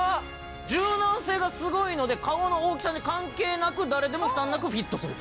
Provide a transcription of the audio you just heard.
柔軟性がすごいので顔の大きさに関係なく誰でも負担なくフィットすると。